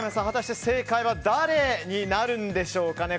果たして正解は誰になるんでしょうか。